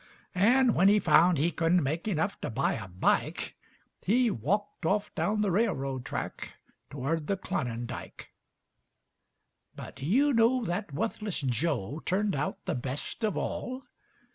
And when he found he couldn't make Enuff to buy a bike, He walked off down the railroad track Toward the Klonindike. But do you know that wuthless Joe Turned out the best of all?